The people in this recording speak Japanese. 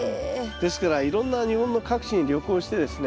ですからいろんな日本の各地に旅行してですね